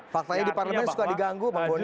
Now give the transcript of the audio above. faktanya di parlemen suka diganggu bang boni